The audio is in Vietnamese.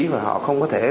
và họ không có thể